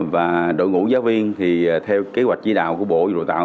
và đội ngũ giáo viên thì theo kế hoạch di đạo của bộ dự tạo